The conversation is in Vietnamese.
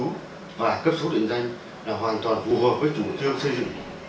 cấp sổ tạm trú và cấp sổ định danh là hoàn toàn phù hợp với chủ tiêu xây dựng